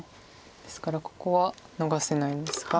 ですからここは逃せないんですが。